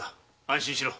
安心しろ。